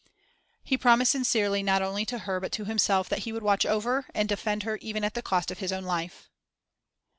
He promised sincerely not only to her but to himself that he would watch over and defend her even at the cost of his own life.